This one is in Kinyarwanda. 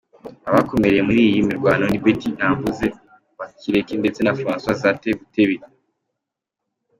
Abakomerekeye muri iyi mirwano ni Betty Nambooze Bakireke ndetse na Francis Zaake Butebi.